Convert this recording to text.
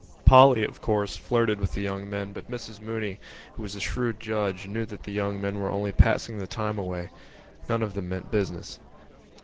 Polly, of course, flirted with the young men but Mrs Mooney, who was a shrewd judge, knew that the young men were only passing the time away: none of them meant business.